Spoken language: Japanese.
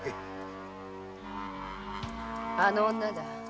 あの女だ。